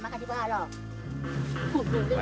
terima kasih pak